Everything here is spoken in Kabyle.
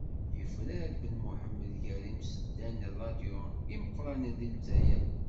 Yufrar-d Ben Muḥemmed gar yimseddan ṛṛadyu imeqṛanen di Lezzayer.